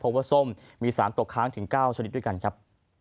เพราะว่าส้มมีสารตกค้างถึง๙ชนิดด้วยกันครับ